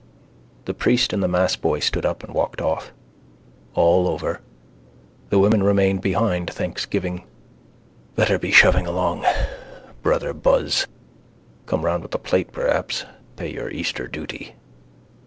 The priest and the massboy stood up and walked off. All over. The women remained behind: thanksgiving. Better be shoving along. Brother Buzz. Come around with the plate perhaps. Pay your Easter duty.